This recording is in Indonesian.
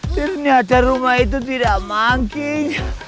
ternyata rumah itu tidak manggih